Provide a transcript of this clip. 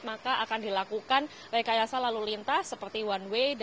maka akan dilakukan rekayasa lalu lintas seperti one way